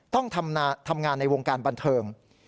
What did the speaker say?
ต้องทำงานในวงการบันเทิง